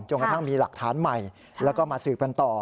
กระทั่งมีหลักฐานใหม่แล้วก็มาสืบกันต่อ